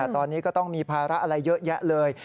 ตอนนี้ก็ต้องมีภาระอะไรเยอะแยะเลย